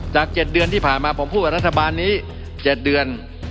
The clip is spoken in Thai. จาก๗เดือนที่ผ่านมาผมพูดกับรัฐบาลนี้๗เดือน